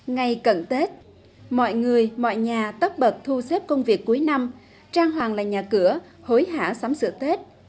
ngày cận tết mọi người mọi nhà tắt bật thu xếp công việc cuối năm trang hoàng là nhà cửa hối hả sắm sữa tết